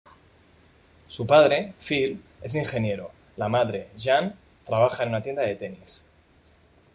Su padre, Phil es ingeniero, la madre, Jan, trabaja en una tienda de tenis.